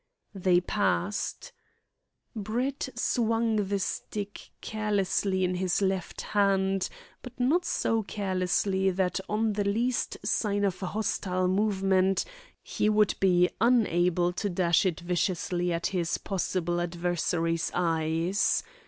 They passed. Brett swung the stick carelessly in his left hand, but not so carelessly that on the least sign of a hostile movement he would be unable to dash it viciously at his possible adversary's eyes.